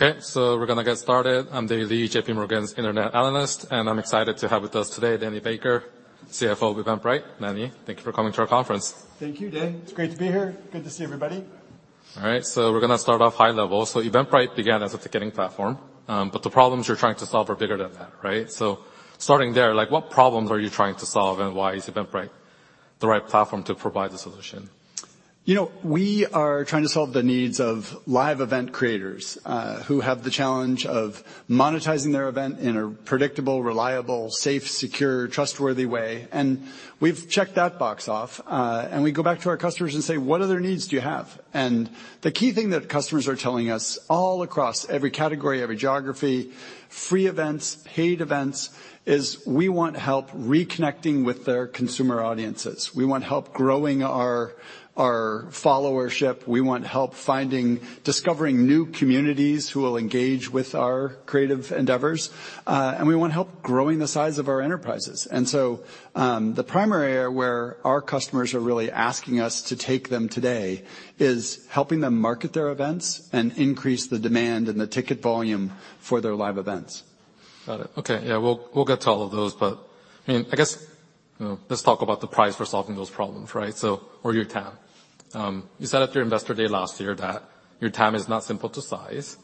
We're going to get started. I'm Dai Li, JPMorgan's internet analyst, and I'm excited to have with us today Lanny Baker, CFO of Eventbrite. Lanny, thank you for coming to our conference. Thank you, Dai. It's great to be here. Good to see everybody. All right, we're gonna start off high level. Eventbrite began as a ticketing platform, but the problems you're trying to solve are bigger than that, right? Starting there, like, what problems are you trying to solve and why is Eventbrite the right platform to provide the solution? You know, we are trying to solve the needs of live event creators, who have the challenge of monetizing their event in a predictable, reliable, safe, secure, trustworthy way. We've checked that box off. We go back to our customers and say, "What other needs do you have?" The key thing that customers are telling us all across every category, every geography, free events, paid events, is we want help reconnecting with their consumer audiences. We want help growing our followership. We want help finding, discovering new communities who will engage with our creative endeavors. We want help growing the size of our enterprises. The primary area where our customers are really asking us to take them today is helping them market their events and increase the demand and the ticket volume for their live events. Got it. Okay. We'll, we'll get to all of those, but I mean, I guess, you know, let's talk about the price for solving those problems, right, or your TAM? You said at your Investor Day last year that your TAM is not simple to size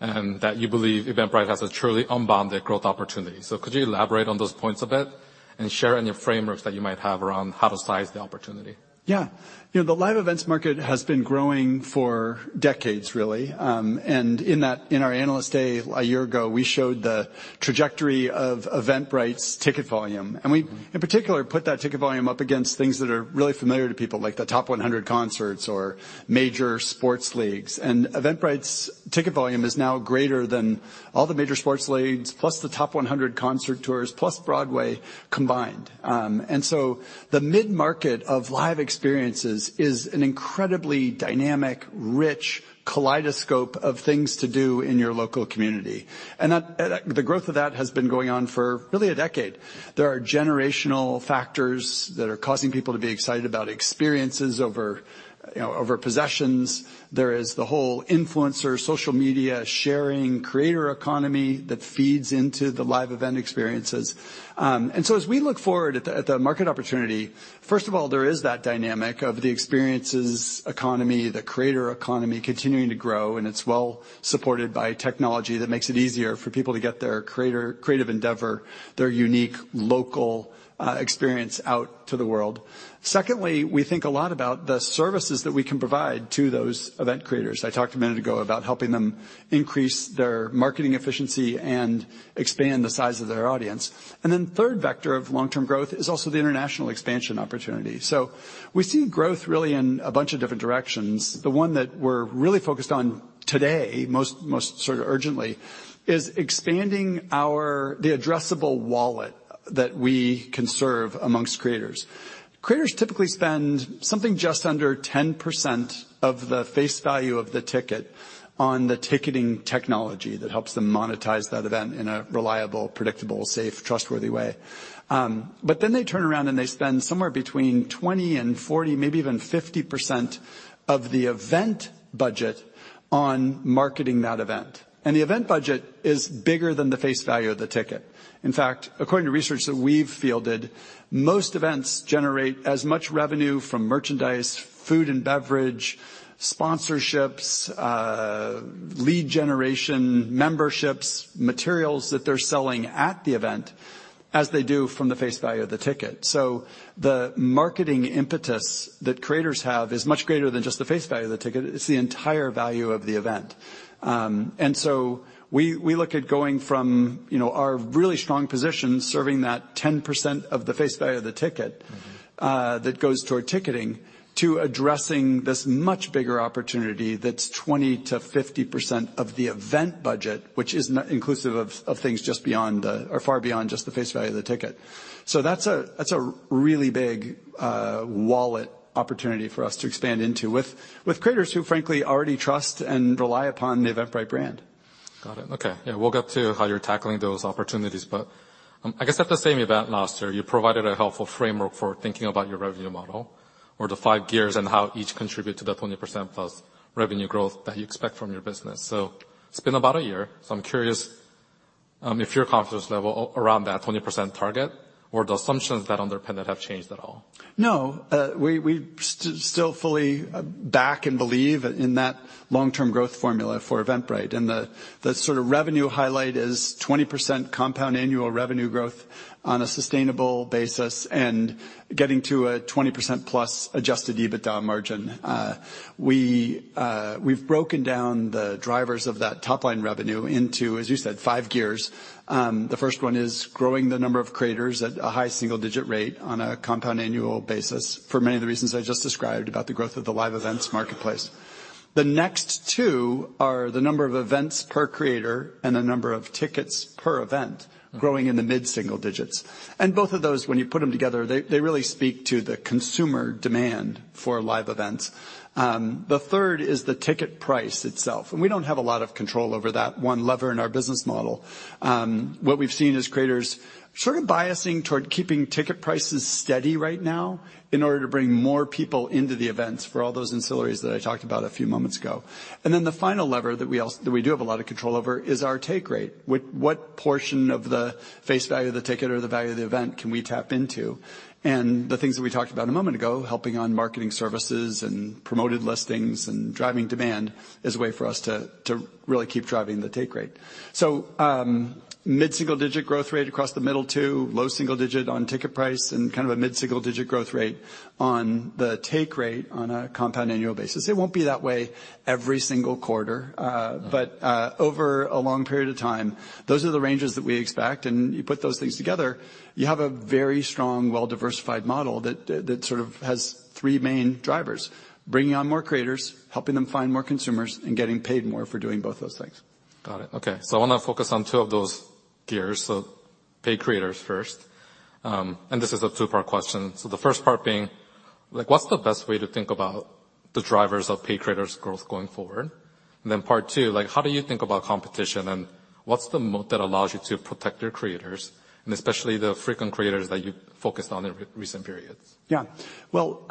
and that you believe Eventbrite has a truly unbounded growth opportunity. Could you elaborate on those points a bit and share any frameworks that you might have around how to size the opportunity? Yeah. You know, the live events market has been growing for decades really. In our Analyst Day a year ago, we showed the trajectory of Eventbrite's ticket volume. We, in particular, put that ticket volume up against things that are really familiar to people, like the top 100 concerts or major sports leagues. Eventbrite's ticket volume is now greater than all the major sports leagues, plus the top 100 concert tours, plus Broadway combined. The mid-market of live experiences is an incredibly dynamic, rich kaleidoscope of things to do in your local community. The growth of that has been going on for really a decade. There are generational factors that are causing people to be excited about experiences over, you know, over possessions. There is the whole influencer, social media, sharing, creator economy that feeds into the live event experiences. As we look forward at the, at the market opportunity, first of all, there is that dynamic of the experiences economy, the creator economy continuing to grow, and it's well supported by technology that makes it easier for people to get their creative endeavor, their unique local experience out to the world. Secondly, we think a lot about the services that we can provide to those event creators. I talked a minute ago about helping them increase their marketing efficiency and expand the size of their audience. Third vector of long-term growth is also the international expansion opportunity. We see growth really in a bunch of different directions. The one that we're really focused on today, most sort of urgently, is expanding the addressable wallet that we can serve amongst creators. Creators typically spend something just under 10% of the face value of the ticket on the ticketing technology that helps them monetize that event in a reliable, predictable, safe, trustworthy way. They turn around, and they spend somewhere between 20% and 40%, maybe even 50% of the event budget on marketing that event. The event budget is bigger than the face value of the ticket. In fact, according to research that we've fielded, most events generate as much revenue from merchandise, food and beverage, sponsorships, lead generation, memberships, materials that they're selling at the event as they do from the face value of the ticket. The marketing impetus that creators have is much greater than just the face value of the ticket. It's the entire value of the event. We look at going from, you know, our really strong position, serving that 10% of the face value of the ticket that goes toward ticketing, to addressing this much bigger opportunity that's 20%-50% of the event budget, which is inclusive of things far beyond just the face value of the ticket. That's a, that's a really big wallet opportunity for us to expand into with creators who frankly already trust and rely upon the Eventbrite brand. Got it. Okay. Yeah. We'll get to how you're tackling those opportunities. I guess at the same event last year, you provided a helpful framework for thinking about your revenue model or the five gears and how each contribute to the 20%+ revenue growth that you expect from your business. It's been about a year, so I'm curious if your confidence level around that 20% target or the assumptions that underpin it have changed at all. No. We still fully back and believe in that long-term growth formula for Eventbrite. The sort of revenue highlight is 20% compound annual revenue growth on a sustainable basis and getting to a 20%+ adjusted EBITDA margin. We've broken down the drivers of that top-line revenue into, as you said, five gears. The first one is growing the number of creators at a high single-digit rate on a compound annual basis for many of the reasons I just described about the growth of the live events marketplace. The next two are the number of events per creator and the number of tickets per event growing in the mid-single digits. Both of those, when you put them together, they really speak to the consumer demand for live events. The third is the ticket price itself. We don't have a lot of control over that one lever in our business model. What we've seen is creators sort of biasing toward keeping ticket prices steady right now in order to bring more people into the events for all those ancillaries that I talked about a few moments ago. The final lever that we that we do have a lot of control over is our take rate. What portion of the face value of the ticket or the value of the event can we tap into? The things that we talked about a moment ago, helping on marketing services and promoted listings and driving demand is a way for us to really keep driving the take rate. Mid-single digit growth rate across the middle two, low single digit on ticket price, and kind of a mid-single digit growth rate on the take rate on a compound annual basis. It won't be that way every single quarter. Mm-hmm. Over a long period of time, those are the ranges that we expect. You put those things together, you have a very strong, well-diversified model that sort of has three main drivers, bringing on more creators, helping them find more consumers, and getting paid more for doing both those things. Got it. Okay. I wanna focus on two of those gears. Paid creators first. This is a two-part question. The first part being, like, what's the best way to think about the drivers of paid creators growth going forward? Part 2, like, how do you think about competition, and what's the moat that allows you to protect your creators and especially the frequent creators that you focused on in recent periods? Yeah. Well,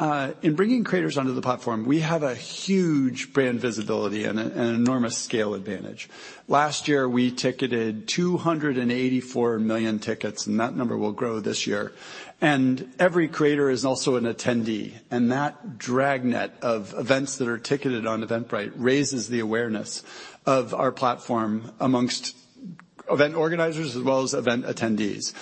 in bringing creators onto the platform, we have a huge brand visibility and an enormous scale advantage. Last year, we ticketed 284 million tickets. That number will grow this year. Every creator is also an attendee, and that dragnet of events that are ticketed on Eventbrite raises the awareness of our platform amongst event organizers as well as event attendees.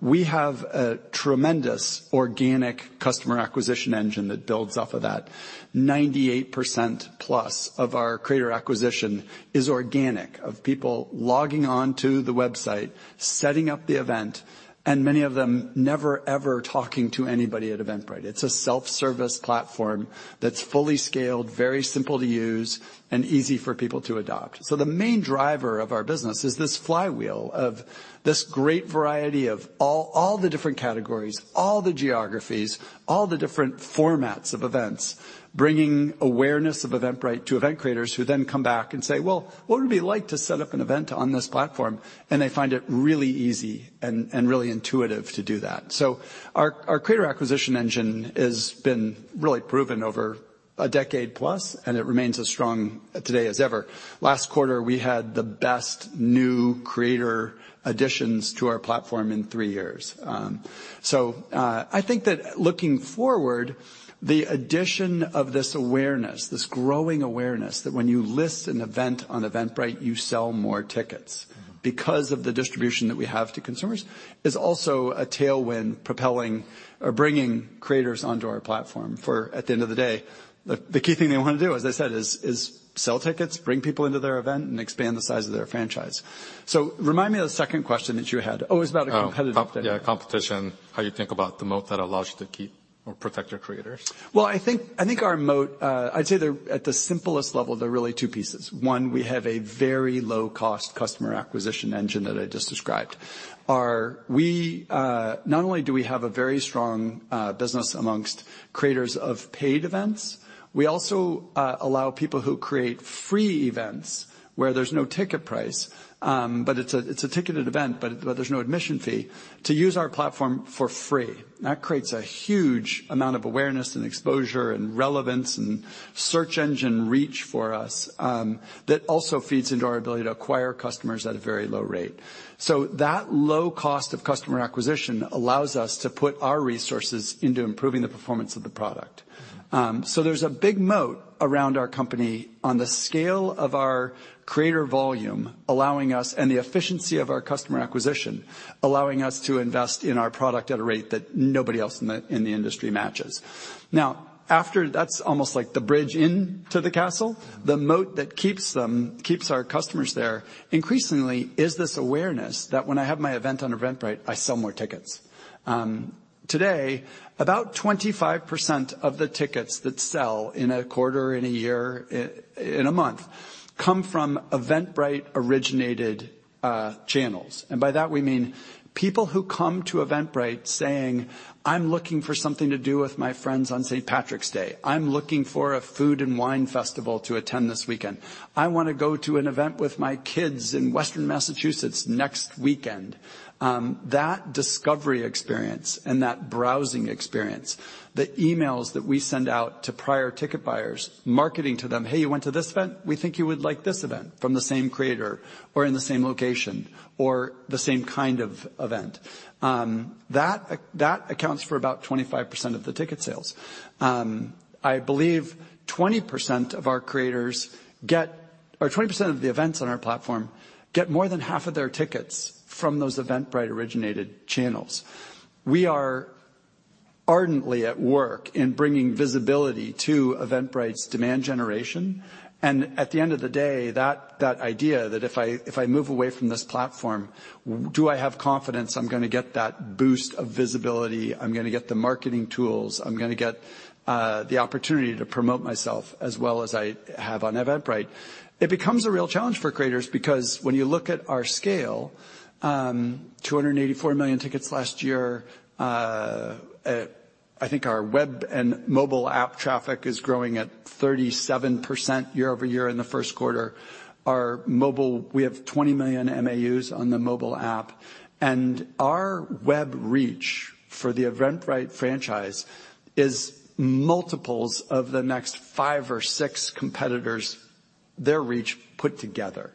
We have a tremendous organic customer acquisition engine that builds off of that. 98% plus of our creator acquisition is organic, of people logging on to the website, setting up the event, and many of them never ever talking to anybody at Eventbrite. It's a self-service platform that's fully scaled, very simple to use, and easy for people to adopt. The main driver of our business is this flywheel of this great variety of all the different categories, all the geographies, all the different formats of events, bringing awareness of Eventbrite to event creators who then come back and say, "Well, what would it be like to set up an event on this platform?" They find it really easy and really intuitive to do that. Our creator acquisition engine has been really proven over a decade plus, and it remains as strong today as ever. Last quarter, we had the best new creator additions to our platform in three years. I think that looking forward, the addition of this awareness, this growing awareness that when you list an event on Eventbrite, you sell more tickets because of the distribution that we have to consumers, is also a tailwind propelling or bringing creators onto our platform for. At the end of the day, the key thing they wanna do, as I said, is sell tickets, bring people into their event, and expand the size of their franchise. Remind me of the second question that you had. Oh, it's about a competitive thing. Yeah, competition. How you think about the moat that allows you to keep or protect your creators? Well, I think our moat, I'd say at the simplest level, they're really two pieces. One, we have a very low cost customer acquisition engine that I just described. We not only do we have a very strong business amongst creators of paid events, we also allow people who create free events where there's no ticket price, but it's a, it's a ticketed event, but there's no admission fee, to use our platform for free. That creates a huge amount of awareness and exposure and relevance and search engine reach for us, that also feeds into our ability to acquire customers at a very low rate. That low cost of customer acquisition allows us to put our resources into improving the performance of the product. There's a big moat around our company on the scale of our creator volume, allowing us, and the efficiency of our customer acquisition, allowing us to invest in our product at a rate that nobody else in the, in the industry matches. Now, that's almost like the bridge into the castle. The moat that keeps them, keeps our customers there increasingly is this awareness that when I have my event on Eventbrite, I sell more tickets. Today, about 25% of the tickets that sell in a quarter, in a year, in a month, come from Eventbrite-originated channels. By that, we mean people who come to Eventbrite saying, "I'm looking for something to do with my friends on St. Patrick's Day. I'm looking for a food and wine festival to attend this weekend. I wanna go to an event with my kids in Western Massachusetts next weekend." That discovery experience and that browsing experience, the emails that we send out to prior ticket buyers, marketing to them, "Hey, you went to this event? We think you would like this event from the same creator or in the same location or the same kind of event," that accounts for about 25% of the ticket sales. I believe 20% of our creators get Or 20% of the events on our platform get more than half of their tickets from those Eventbrite-originated channels. We are ardently at work in bringing visibility to Eventbrite's demand generation. At the end of the day, that idea that if I move away from this platform, do I have confidence I'm gonna get that boost of visibility, I'm gonna get the marketing tools, I'm gonna get the opportunity to promote myself as well as I have on Eventbrite? It becomes a real challenge for creators because when you look at our scale, 284 million tickets last year, I think our web and mobile app traffic is growing at 37% year-over-year in the first quarter. We have 20 million MAUs on the mobile app. Our web reach for the Eventbrite franchise is multiples of the next five or six competitors, their reach put together.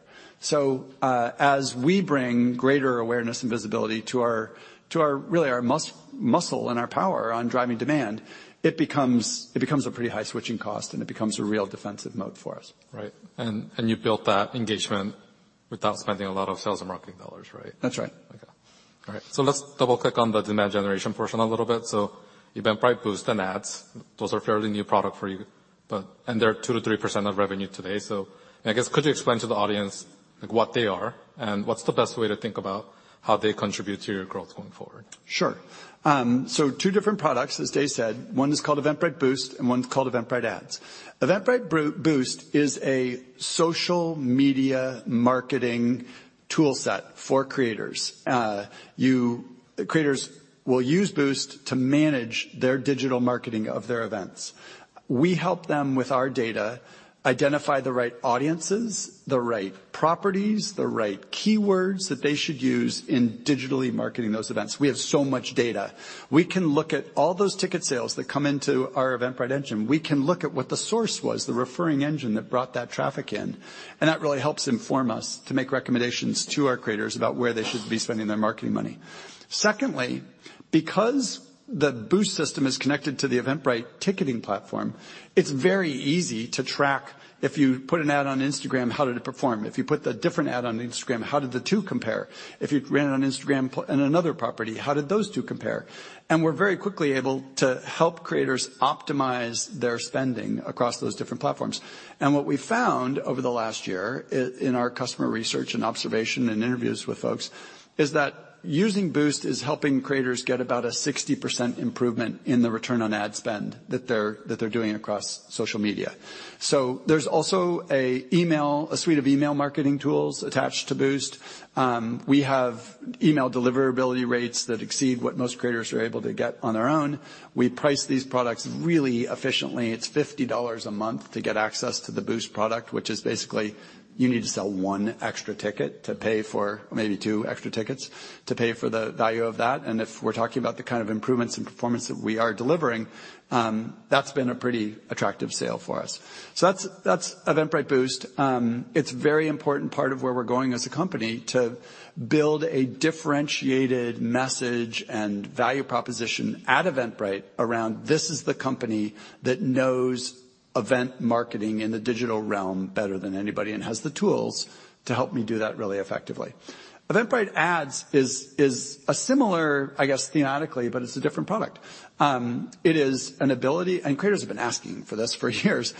As we bring greater awareness and visibility to our, really our muscle and our power on driving demand, it becomes a pretty high switching cost, and it becomes a real defensive moat for us. Right. You built that engagement without spending a lot of sales and marketing dollars, right? That's right. Okay. All right. Let's double-click on the demand generation portion a little bit. Eventbrite Boost and Ads, those are fairly new product for you. They're 2%-3% of revenue today. I guess, could you explain to the audience, like, what they are and what's the best way to think about how they contribute to your growth going forward? Sure. Two different products, as Dai said. One is called Eventbrite Boost, and one's called Eventbrite Ads. Eventbrite Boost is a social media marketing toolset for creators. The creators will use Boost to manage their digital marketing of their events. We help them with our data, identify the right audiences, the right properties, the right keywords that they should use in digitally marketing those events. We have so much data. We can look at all those ticket sales that come into our Eventbrite engine. We can look at what the source was, the referring engine that brought that traffic in, and that really helps inform us to make recommendations to our creators about where they should be spending their marketing money. Secondly, because the Boost system is connected to the Eventbrite ticketing platform, it's very easy to track. If you put an ad on Instagram, how did it perform? If you put a different ad on Instagram, how did the two compare? If you ran it on Instagram in another property, how did those two compare? We're very quickly able to help creators optimize their spending across those different platforms. What we found over the last year in our customer research and observation and interviews with folks is that using Boost is helping creators get about a 60% improvement in the return on ad spend that they're doing across social media. There's also a suite of email marketing tools attached to Boost. We have email deliverability rates that exceed what most creators are able to get on their own. We price these products really efficiently. It's $50 a month to get access to the Boost product, which is basically you need to sell one extra ticket to pay for maybe two extra tickets to pay for the value of that. If we're talking about the kind of improvements in performance that we are delivering, that's been a pretty attractive sale for us. That's Eventbrite Boost. It's very important part of where we're going as a company to build a differentiated message and value proposition at Eventbrite around this is the company that knows event marketing in the digital realm better than anybody and has the tools to help me do that really effectively. Eventbrite Ads is a similar, I guess, thematically, but it's a different product. It is an ability, and creators have been asking for this for years.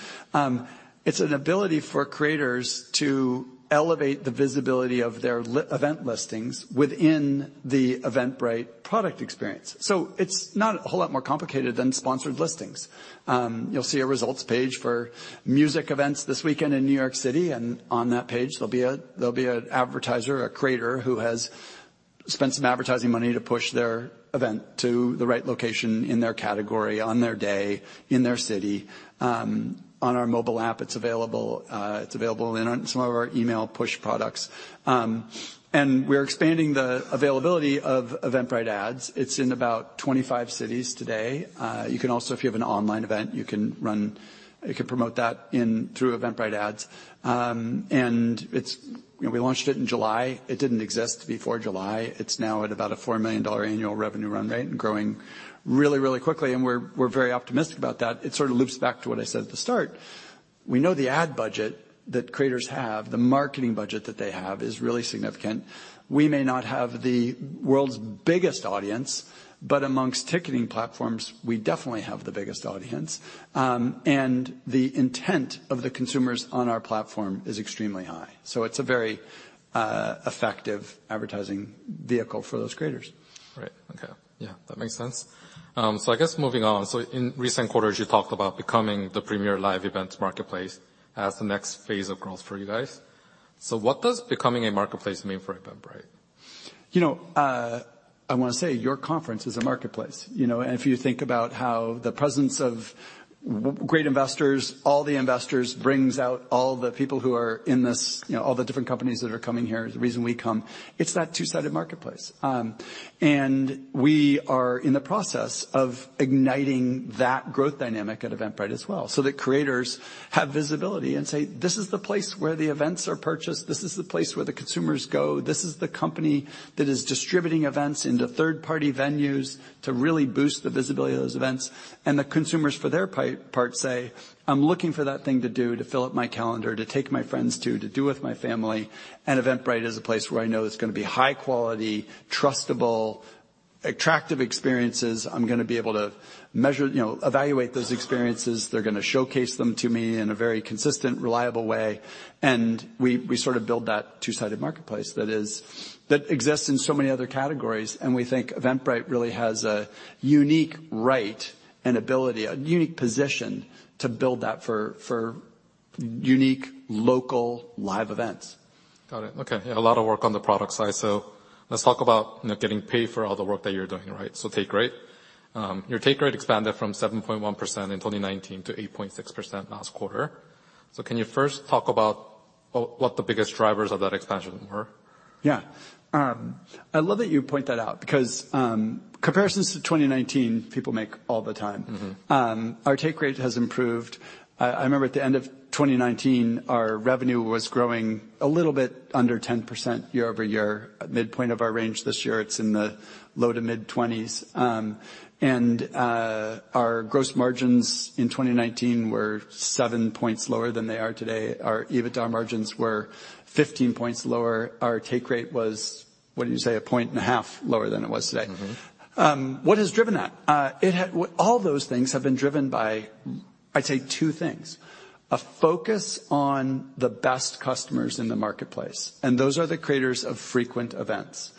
It's an ability for creators to elevate the visibility of their event listings within the Eventbrite product experience. It's not a whole lot more complicated than sponsored listings. You'll see a results page for music events this weekend in New York City, on that page, there'll be an advertiser, a creator who has spent some advertising money to push their event to the right location in their category, on their day, in their city. On our mobile app, it's available, it's available in on some of our email push products. We're expanding the availability of Eventbrite Ads. It's in about 25 cities today. You can also, if you have an online event, you can promote that through Eventbrite Ads. It's, you know, we launched it in July. It didn't exist before July. It's now at about a $4 million annual revenue run rate and growing really, really quickly. We're very optimistic about that. It sort of loops back to what I said at the start. We know the ad budget that creators have, the marketing budget that they have, is really significant. We may not have the world's biggest audience, but amongst ticketing platforms, we definitely have the biggest audience. The intent of the consumers on our platform is extremely high. It's a very effective advertising vehicle for those creators. Right. Okay. Yeah, that makes sense. I guess moving on. In recent quarters, you talked about becoming the premier live event marketplace as the next phase of growth for you guys. What does becoming a marketplace mean for Eventbrite? You know, I wanna say your conference is a marketplace, you know. If you think about how the presence of great investors, all the investors brings out all the people who are in this, you know, all the different companies that are coming here is the reason we come. It's that two-sided marketplace. We are in the process of igniting that growth dynamic at Eventbrite as well, so that creators have visibility and say, "This is the place where the events are purchased. This is the place where the consumers go. This is the company that is distributing events into third-party venues to really boost the visibility of those events." The consumers, for their part, say, "I'm looking for that thing to do to fill up my calendar, to take my friends to do with my family. Eventbrite is a place where I know it's gonna be high quality, trustable, attractive experiences. I'm gonna be able to measure, you know, evaluate those experiences. They're gonna showcase them to me in a very consistent, reliable way." We sort of build that two-sided marketplace that is, that exists in so many other categories. We think Eventbrite really has a unique right and ability, a unique position to build that for unique local live events. Got it. Okay. A lot of work on the product side. Let's talk about, you know, getting paid for all the work that you're doing, right? Take rate. Your take rate expanded from 7.1% in 2019 to 8.6% last quarter. Can you first talk about what the biggest drivers of that expansion were? Yeah. I love that you point that out because, comparisons to 2019 people make all the time. Mm-hmm. Our take rate has improved. I remember at the end of 2019, our revenue was growing a little bit under 10% year-over-year. At midpoint of our range this year, it's in the low to mid-20s. Our gross margins in 2019 were 7 points lower than they are today. Our EBITDA margins were 15 points lower. Our take rate was, what did you say? A point and a half lower than it was today. Mm-hmm. What has driven that? All those things have been driven by, I'd say two things: a focus on the best customers in the marketplace, and those are the creators of frequent events.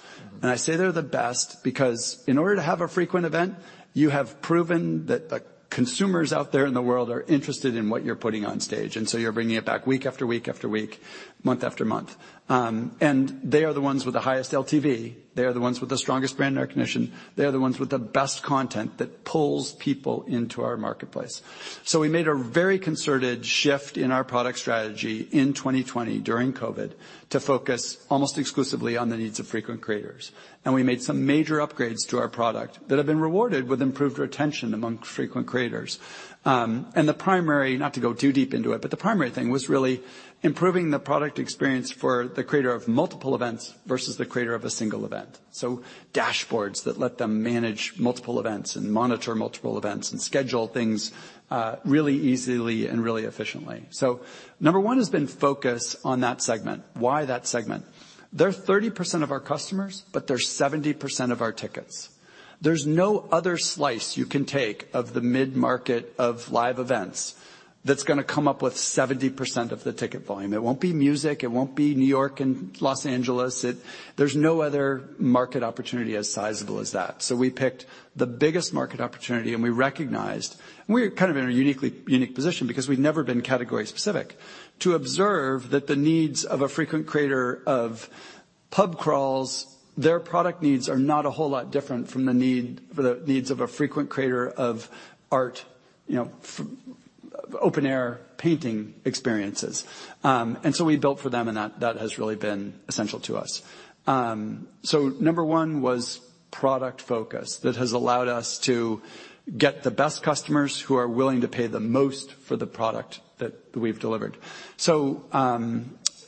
I say they're the best because in order to have a frequent event, you have proven that the consumers out there in the world are interested in what you're putting on stage, and so you're bringing it back week after week, month after month. They are the ones with the highest LTV. They are the ones with the strongest brand recognition. They are the ones with the best content that pulls people into our marketplace. We made a very concerted shift in our product strategy in 2020 during COVID to focus almost exclusively on the needs of frequent creators. We made some major upgrades to our product that have been rewarded with improved retention among frequent creators. Not to go too deep into it, but the primary thing was really improving the product experience for the creator of multiple events versus the creator of a single event. Dashboards that let them manage multiple events and monitor multiple events and schedule things really easily and really efficiently. Number 1 has been focus on that segment. Why that segment? They're 30% of our customers, but they're 70% of our tickets. There's no other slice you can take of the mid-market of live events that's gonna come up with 70% of the ticket volume. It won't be music. It won't be New York and Los Angeles. There's no other market opportunity as sizable as that. We picked the biggest market opportunity, and we recognized. We're kind of in a uniquely unique position because we've never been category-specific to observe that the needs of a frequent creator of pub crawls, their product needs are not a whole lot different from the needs of a frequent creator of art, you know, open-air painting experiences. We built for them, and that has really been essential to us. Number 1 was product focus. That has allowed us to get the best customers who are willing to pay the most for the product that we've delivered.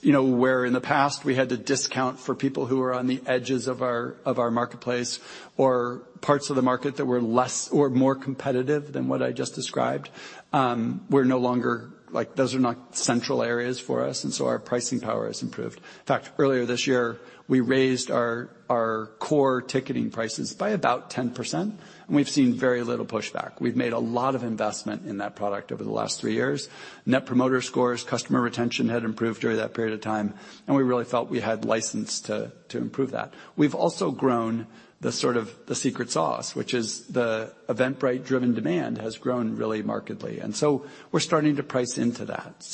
You know, where in the past we had to discount for people who are on the edges of our marketplace or parts of the market that were less or more competitive than what I just described, we're no longer. Like, those are not central areas for us, and so our pricing power has improved. In fact, earlier this year, we raised our core ticketing prices by about 10%, and we've seen very little pushback. We've made a lot of investment in that product over the last three years. Net Promoter Scores, customer retention had improved during that period of time, and we really felt we had license to improve that. We've also grown the sort of the secret sauce, which is the Eventbrite-driven demand has grown really markedly, and so we're starting to price into that.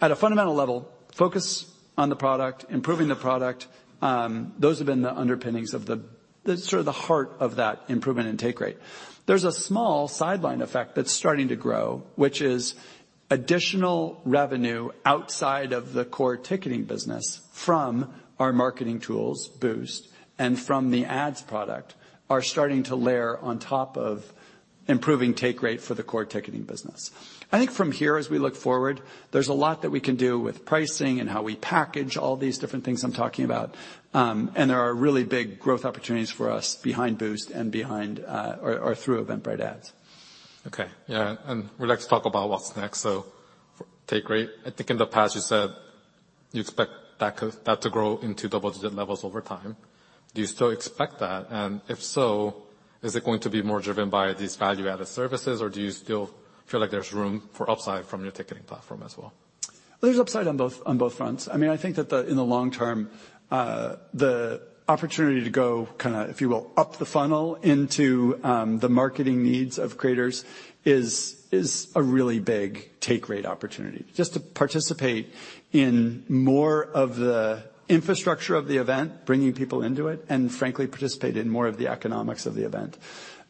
At a fundamental level, focus on the product, improving the product, those have been the underpinnings of the sort of the heart of that improvement in take rate. There's a small sideline effect that's starting to grow, which is additional revenue outside of the core ticketing business from our marketing tools, Boost, and from Eventbrite Ads are starting to layer on top of improving take rate for the core ticketing business. I think from here as we look forward, there's a lot that we can do with pricing and how we package all these different things I'm talking about. There are really big growth opportunities for us behind Boost and behind or through Eventbrite Ads. Okay. Yeah, we'd like to talk about what's next. For take rate, I think in the past you said you expect that to grow into double-digit levels over time. Do you still expect that? If so, is it going to be more driven by these value-added services, or do you still feel like there's room for upside from your ticketing platform as well? There's upside on both fronts. I mean, I think that in the long term, the opportunity to go kinda, if you will, up the funnel into the marketing needs of creators is a really big take rate opportunity. Just to participate in more of the infrastructure of the event, bringing people into it, and frankly, participate in more of the economics of the event.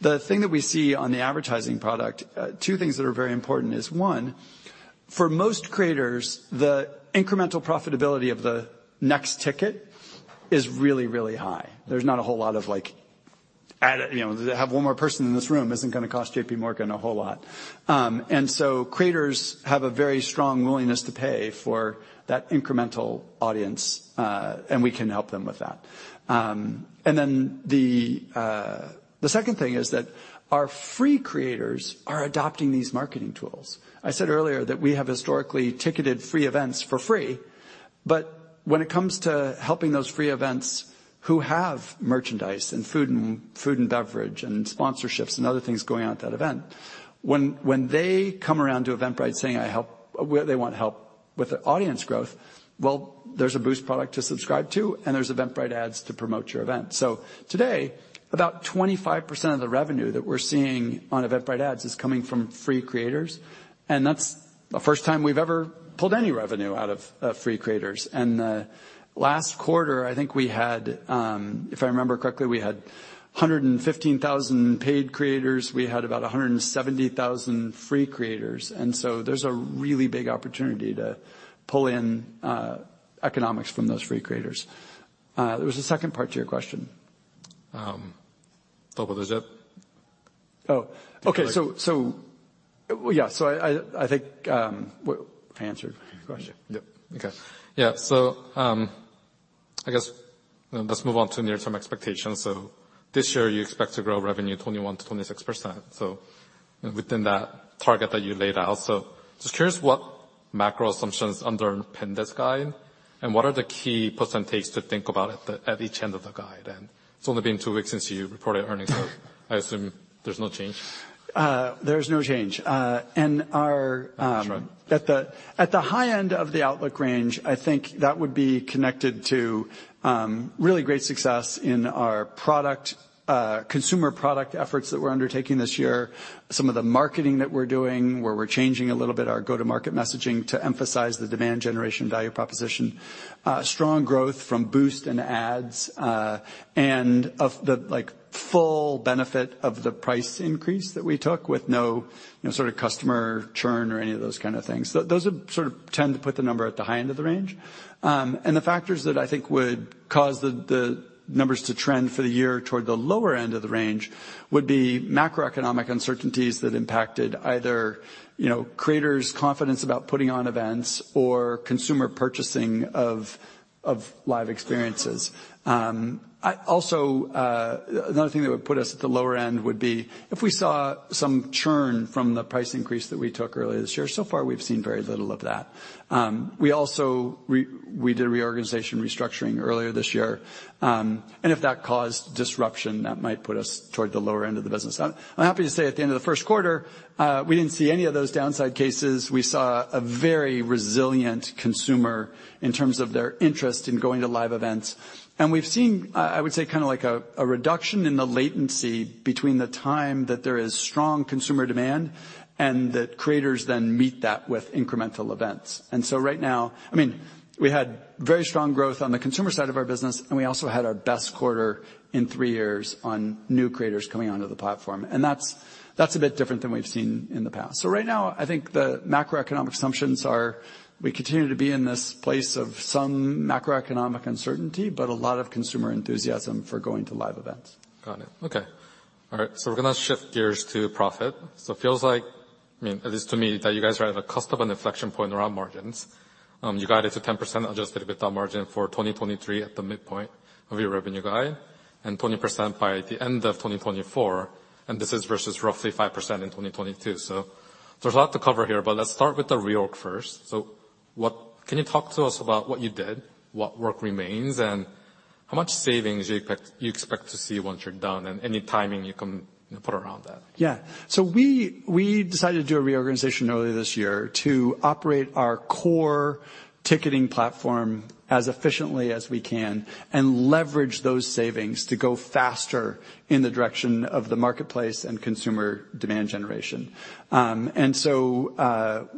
The thing that we see on the advertising product, two things that are very important is, one, for most creators, the incremental profitability of the next ticket is really, really high. There's not a whole lot of, like, you know, to have one more person in this room isn't gonna cost JPMorgan a whole lot. Creators have a very strong willingness to pay for that incremental audience, and we can help them with that. The second thing is that our free creators are adopting these marketing tools. I said earlier that we have historically ticketed free events for free, when it comes to helping those free events who have merchandise and food and beverage and sponsorships and other things going on at that event, when they come around to Eventbrite saying they want help with the audience growth, well, there's a Boost product to subscribe to, and there's Eventbrite Ads to promote your event. Today, about 25% of the revenue that we're seeing on Eventbrite Ads is coming from free creators, and that's the first time we've ever pulled any revenue out of free creators. Last quarter, I think we had, if I remember correctly, we had 115,000 paid creators. We had about 170,000 free creators. There's a really big opportunity to pull in economics from those free creators. There was a second part to your question. Um, Oh, okay. Yeah. I think I answered your question. Yep. Okay. Yeah. I guess let's move on to near-term expectations. This year, you expect to grow revenue 21%-26%, so within that target that you laid out. Just curious what macro assumptions underpin this guide, and what are the key percentages to think about at each end of the guide then? It's only been two weeks since you reported earnings. I assume there's no change. There's no change. Our at the high end of the outlook range, I think that would be connected to really great success in our product, consumer product efforts that we're undertaking this year. Some of the marketing that we're doing, where we're changing a little bit our go-to-market messaging to emphasize the demand generation value proposition. Strong growth from Boost and Ads, and of the, like, full benefit of the price increase that we took with no, you know, sort of customer churn or any of those kind of things. Those would sort of tend to put the number at the high end of the range. The factors that I think would cause the numbers to trend for the year toward the lower end of the range would be macroeconomic uncertainties that impacted either, you know, creators' confidence about putting on events or consumer purchasing of live experiences. Also, another thing that would put us at the lower end would be if we saw some churn from the price increase that we took earlier this year. So far, we've seen very little of that. We did reorganization restructuring earlier this year, and if that caused disruption, that might put us toward the lower end of the business. I'm happy to say at the end of the first quarter, we didn't see any of those downside cases. We saw a very resilient consumer in terms of their interest in going to live events. We've seen, I would say, kinda like a reduction in the latency between the time that there is strong consumer demand and that creators then meet that with incremental events. Right now, I mean, we had very strong growth on the consumer side of our business, and we also had our best quarter in three years on new creators coming onto the platform. That's a bit different than we've seen in the past. Right now, I think the macroeconomic assumptions are we continue to be in this place of some macroeconomic uncertainty, but a lot of consumer enthusiasm for going to live events. Got it. Okay. All right, we're gonna shift gears to profit. It feels like, I mean, at least to me, that you guys are at the cusp of an inflection point around margins. You got it to 10% adjusted EBITDA margin for 2023 at the midpoint of your revenue guide and 20% by the end of 2024, and this is versus roughly 5% in 2022. There's a lot to cover here, but let's start with the reorg first. Can you talk to us about what you did, what work remains, and how much savings you expect to see once you're done, and any timing you can put around that? Yeah. We decided to do a reorganization earlier this year to operate our core ticketing platform as efficiently as we can and leverage those savings to go faster in the direction of the marketplace and consumer demand generation. What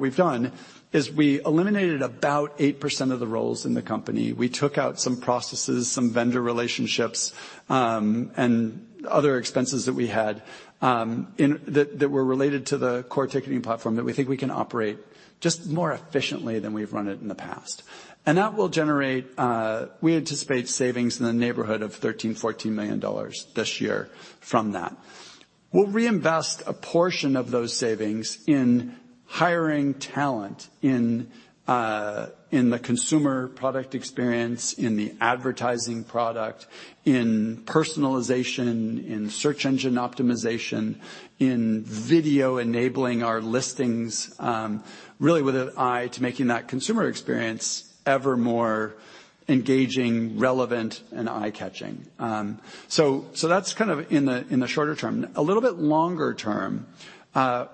we've done is we eliminated about 8% of the roles in the company. We took out some processes, some vendor relationships, and other expenses that we had that were related to the core ticketing platform that we think we can operate just more efficiently than we've run it in the past. That will generate, we anticipate savings in the neighborhood of $13 million-$14 million this year from that. We'll reinvest a portion of those savings in hiring talent in the consumer product experience, in the advertising product, in personalization, in search engine optimization, in video enabling our listings, really with an eye to making that consumer experience ever more engaging, relevant, and eye-catching. So that's kind of in the, in the shorter term. A little bit longer term,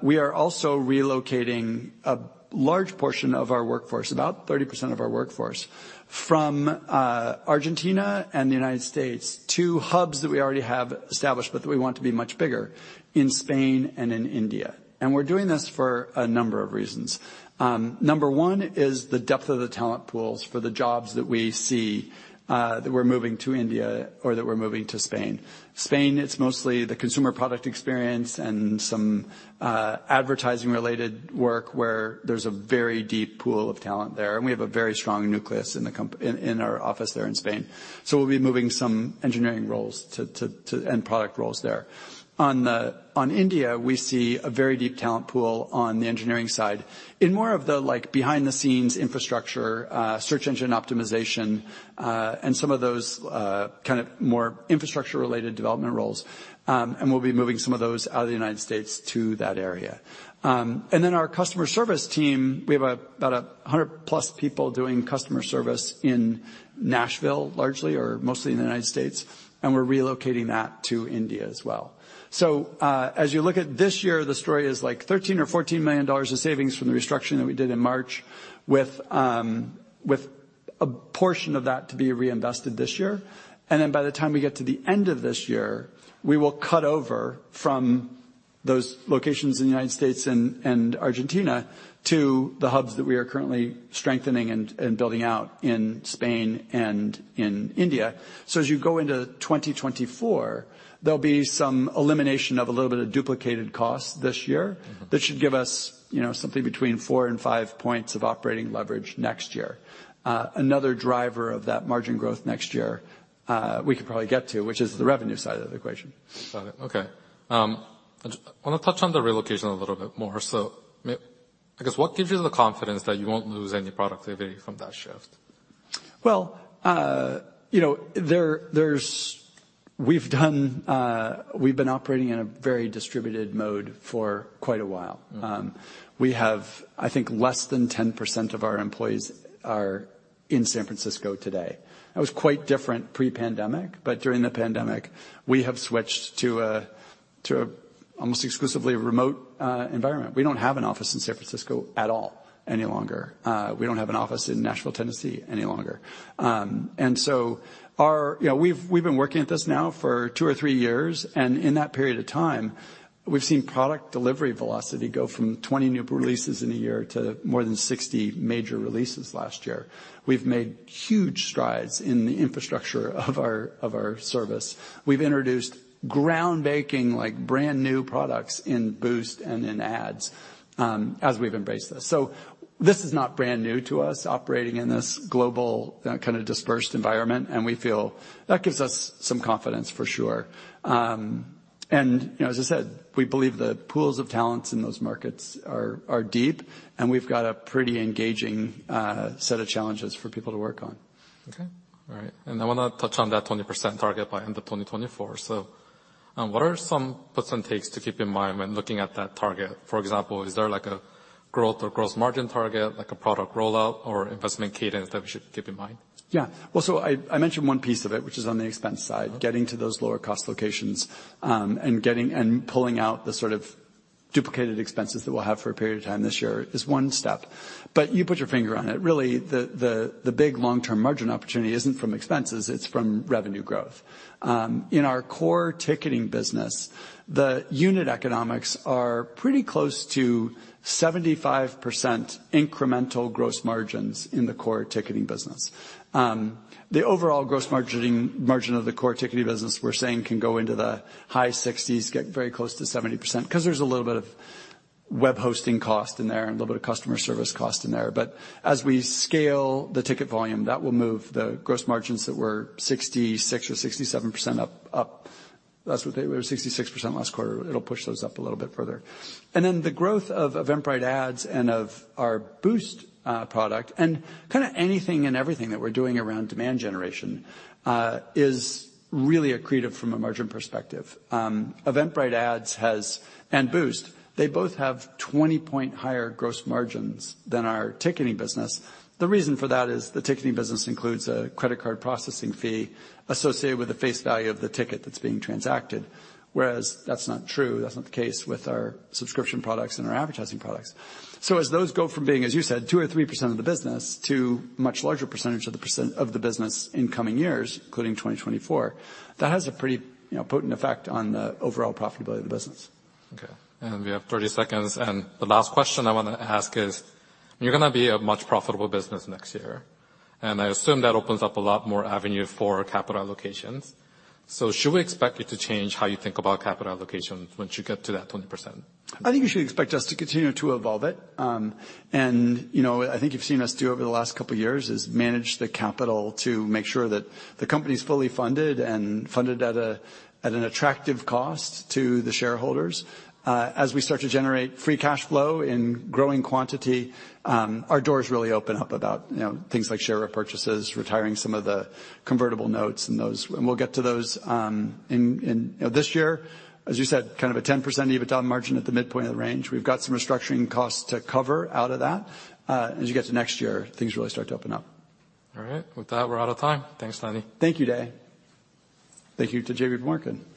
we are also relocating a large portion of our workforce, about 30% of our workforce, from Argentina and the United States to hubs that we already have established, but that we want to be much bigger in Spain and in India. We're doing this for a number of reasons. Number 1 is the depth of the talent pools for the jobs that we see, that we're moving to India or that we're moving to Spain. Spain, it's mostly the consumer product experience and some advertising-related work where there's a very deep pool of talent there, and we have a very strong nucleus in our office there in Spain. We'll be moving some engineering roles to end product roles there. On India, we see a very deep talent pool on the engineering side in more of the, like, behind-the-scenes infrastructure, search engine optimization, and some of those kind of more infrastructure-related development roles, and we'll be moving some of those out of the United States to that area. Our customer service team, we have about 100+ people doing customer service in Nashville, largely, or mostly in the United States, and we're relocating that to India as well. As you look at this year, the story is, like, $13 million-$14 million of savings from the restructuring that we did in March with a portion of that to be reinvested this year. Then by the time we get to the end of this year, we will cut over from those locations in the United States and Argentina to the hubs that we are currently strengthening and building out in Spain and in India. As you go into 2024, there'll be some elimination of a little bit of duplicated costs this year. Mm-hmm. That should give us, you know, something between 4 and 5 points of operating leverage next year. Another driver of that margin growth next year, we could probably get to, which is the revenue side of the equation. Got it. Okay. I wanna touch on the relocation a little bit more. I mean, I guess, what gives you the confidence that you won't lose any productivity from that shift? Well, you know, we've been operating in a very distributed mode for quite a while. Mm-hmm. We have, I think, less than 10% of our employees are in San Francisco today. That was quite different pre-pandemic, but during the pandemic, we have switched to an almost exclusively remote environment. We don't have an office in San Francisco at all any longer. We don't have an office in Nashville, Tennessee, any longer. You know, we've been working at this now for two or three years, and in that period of time, we've seen product delivery velocity go from 20 new releases in a year to more than 60 major releases last year. We've made huge strides in the infrastructure of our service. We've introduced ground-breaking, like, brand-new products in Boost and in Ads as we've embraced this. This is not brand new to us, operating in this global kind of dispersed environment, and we feel that gives us some confidence, for sure. You know, as I said, we believe the pools of talents in those markets are deep, and we've got a pretty engaging set of challenges for people to work on. Okay. All right. I wanna touch on that 20% target by end of 2024. What are some puts and takes to keep in mind when looking at that target? For example, is there, like, a growth or gross margin target, like a product rollout or investment cadence that we should keep in mind? Yeah. Well, I mentioned one piece of it, which is on the expense side. Okay. Getting to those lower cost locations, and pulling out the sort of duplicated expenses that we'll have for a period of time this year is one step. You put your finger on it. Really, the, the big long-term margin opportunity isn't from expenses, it's from revenue growth. In our core ticketing business, the unit economics are pretty close to 75% incremental gross margins in the core ticketing business. The overall gross margin of the core ticketing business, we're saying can go into the high sixties, get very close to 70%, 'cause there's a little bit of web hosting cost in there and a little bit of customer service cost in there. As we scale the ticket volume, that will move the gross margins that were 66% or 67% up. That's what they were, 66% last quarter. It'll push those up a little bit further. The growth of Eventbrite Ads and of our Boost product and kinda anything and everything that we're doing around demand generation is really accretive from a margin perspective. Eventbrite Ads has, and Boost, they both have 20-point higher gross margins than our ticketing business. The reason for that is the ticketing business includes a credit card processing fee associated with the face value of the ticket that's being transacted, whereas that's not true, that's not the case with our subscription products and our advertising products. As those go from being, as you said, 2% or 3% of the business to much larger percentage of the business in coming years, including 2024, that has a pretty, you know, potent effect on the overall profitability of the business. Okay. We have 30 seconds. The last question I wanna ask is: You're gonna be a much profitable business next year. I assume that opens up a lot more avenue for capital allocations. Should we expect you to change how you think about capital allocation once you get to that 20%? I think you should expect us to continue to evolve it. You know, I think you've seen us do over the last couple years, is manage the capital to make sure that the company's fully funded and funded at a, at an attractive cost to the shareholders. As we start to generate free cash flow in growing quantity, our doors really open up about, you know, things like share repurchases, retiring some of the convertible notes and those. We'll get to those. You know, this year, as you said, kind of a 10% EBITDA margin at the midpoint of the range. We've got some restructuring costs to cover out of that. As you get to next year, things really start to open up. All right. With that, we're out of time. Thanks, Lanny. Thank you, Dai. Thank you to JPMorgan.